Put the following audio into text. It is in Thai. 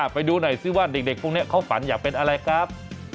ไปดูหน่อยซิว่าเด็กพวกนี้เขาฝันอยากเป็นอะไรครับ